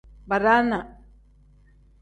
Badaanaa.